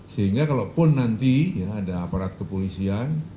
sehingga kalau pun nanti ada aparat kepolisian